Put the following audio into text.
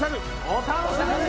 お楽しみに！